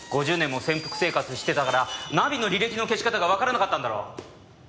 ５０年も潜伏生活してたからナビの履歴の消し方がわからなかったんだろう。